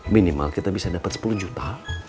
minimal kita bisa dapat sepuluh juta